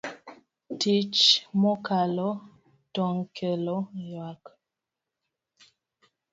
Tich mokalo tong' kelo ywak.